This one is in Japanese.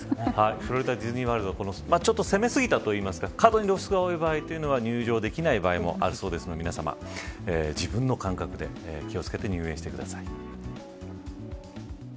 ディズニー・ワールドちょっと攻めすぎたというか過度に露出が多い場合は入場できない場合もあるそうなので皆さま、自分の感覚で気を付けて入園してください。